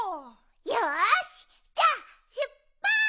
よしじゃあしゅっぱつ！